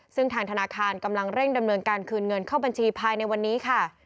ซึ่งทางธนาคารกำลังเร่งดำเนินการคืนเงินเข้าบัญชีภายในวันนี้ค่ะ